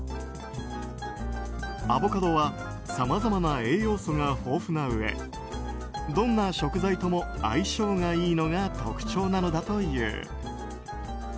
アボカドはさまざまな栄養素が豊富なうえどんな食材とも相性がいいのが特徴なのだという。